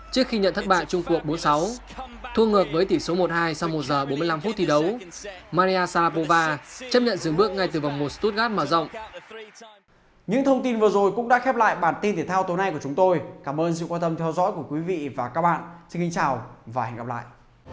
xin kính chào và hẹn gặp lại